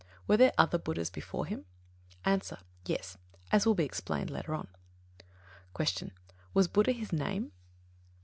Were there other Buddhas before him? A. Yes; as will be explained later on. 12. Q. _Was Buddha his name?